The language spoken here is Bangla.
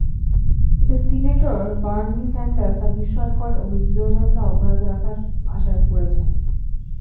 এতে সিনেটর বার্নি স্যান্ডার্স তাঁর বিস্ময়কর বিজয়যাত্রা অব্যাহত রাখার আশা করছেন।